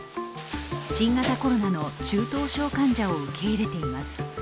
新型コロナの中等症患者を受け入れています。